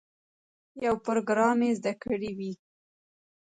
یو پروګرام یې زده کړی وي.